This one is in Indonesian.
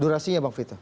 durasinya pak vito